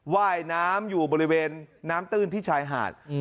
ว่ายน้ำอยู่บริเวณน้ำตื้นที่ชายหาด